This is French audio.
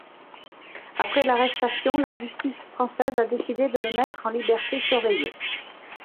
Après l’arrestation, la justice française a décidé de le mettre en liberté surveillée.